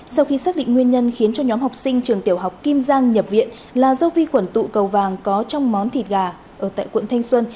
sau khi xác định nguyên nhân khiến cho nhóm học sinh trường tiểu học kim giang nhập viện là do vi khuẩn tụ cầu vàng có trong món thịt gà ở tại quận thanh xuân